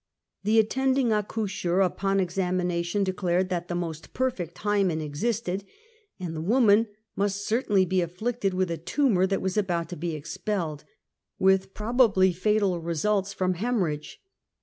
The attending accoucher upon examination declared that the most perfect hymen existed, and the woman must certainly be afflicted with a tumor that was about to be expelled, with probably fatal results from hemorrhage.